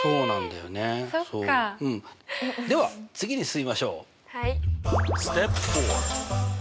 では次に進みましょう。